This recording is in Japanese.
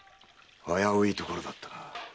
危ういところだったな。